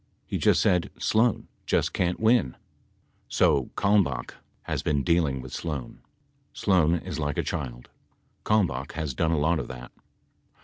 He just said — Sloan just can't win! So Kalmbach has been dealing with Sloan. Sloan is like a child. Kalmbach has done a lot of that.